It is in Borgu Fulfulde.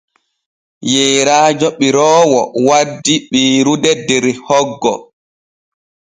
Yeerajo ɓiroowo wandi ɓiirude der hoggo.